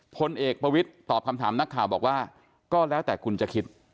พลเอกประวิทย์ตอบคำถามนักข่าวบอกว่าก็แล้วแต่คุณจะคิด